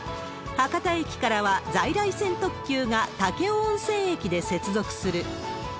博多駅からは在来線特急が武雄温泉駅で接続する。